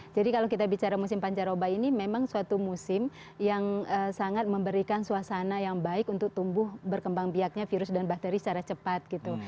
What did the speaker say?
jadi kalau kita bicara musim pancaroba ini memang suatu musim yang sangat memberikan suasana yang baik untuk tumbuh berkembang pihaknya virus dan bakteri secara cepat gitu